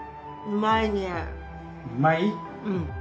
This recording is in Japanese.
うまい？